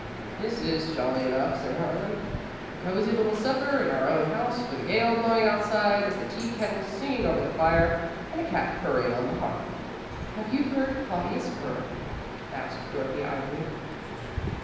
"This is jolly enough," said Harlan. "A cosy little supper in our own house, with a gale blowing outside, the tea kettle singing over the fire, and a cat purring on the hearth." "Have you heard Claudius purr?" asked Dorothy, idly.